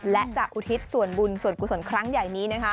และจะอุทิศส่วนบุญส่วนกุศลครั้งใหญ่นี้